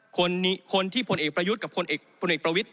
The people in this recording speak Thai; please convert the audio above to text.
คนที่พลเอกประยุทธ์กับคนเอกประวิทธ